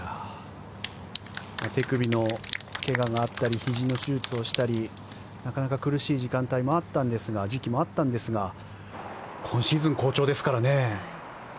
手首の怪我があったりひじの手術をしたりなかなか苦しい時期もあったんですが今シーズン好調ですからね。